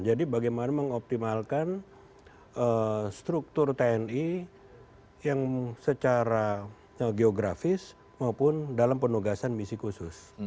bagaimana mengoptimalkan struktur tni yang secara geografis maupun dalam penugasan misi khusus